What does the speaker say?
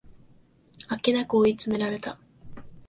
あっけなく追い詰められた